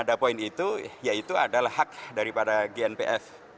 ada poin itu yaitu adalah hak daripada gnpf